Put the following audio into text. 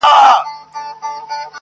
• په نامه د شیرنۍ حرام نه خورمه,